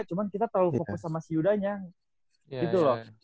cuma kita terlalu fokus sama si yudanya gitu loh